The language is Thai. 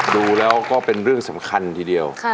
ดูแล้วก็เป็นเรื่องสำคัญทีเดียว